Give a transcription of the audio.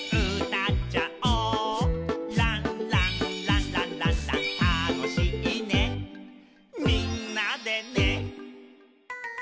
「たのしいねみんなでね」